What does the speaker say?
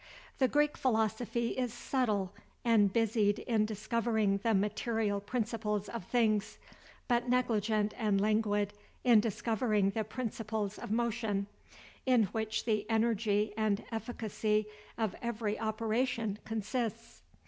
The Greek philosophy is subtile, and busied in discovering the material principles of things, but negligent and languid in discovering the principles of motion, in which the energy and efficacy of every operation consists.